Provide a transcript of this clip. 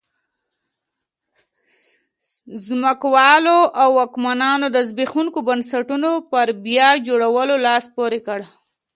ځمکوالو واکمنانو د زبېښونکو بنسټونو پر بیا جوړولو لاس پورې کړ.